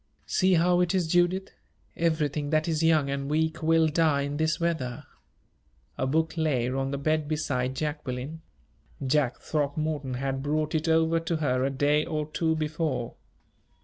"See how it is, Judith everything that is young and weak will die in this weather." A book lay on the bed beside Jacqueline Jack Throckmorton had brought it over to her a day or two before.